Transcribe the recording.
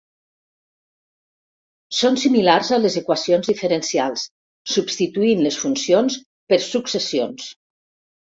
Són similars a les equacions diferencials, substituint les funcions per successions.